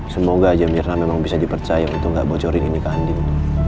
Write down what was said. semoga aja mirna memang bisa dipercaya untuk gak bocorin ini ke andin